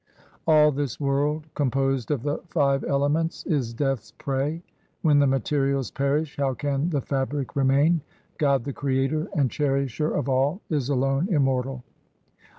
All this world, composed of the five elements, is Death's prey. When the materials perish, how can the fabric remain ? God the Creator and Cherisher of all is alone immortal.